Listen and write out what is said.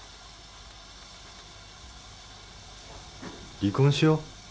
離婚しよう。